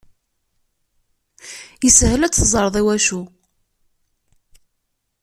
Yeshel ad teẓreḍ iwacu.